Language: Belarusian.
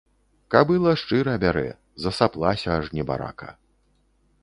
Кабыла шчыра бярэ, засаплася аж небарака.